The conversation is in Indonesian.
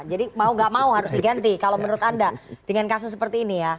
jadi mau gak mau harus diganti kalau menurut anda dengan kasus seperti ini ya